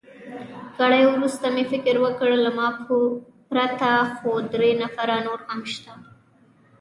ګړی وروسته مې فکر وکړ، له ما پرته خو درې نفره نور هم شته.